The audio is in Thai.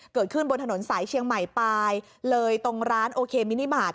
เกิดขึ้นบนถนนสายเชียงใหม่ปลายเลยตรงร้านโอเคมินิมาตร